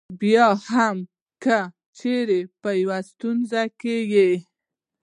بیا هم که چېرې په یوې ستونزه کې یې.